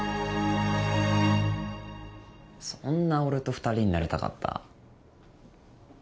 そんな俺と２人になりたかった？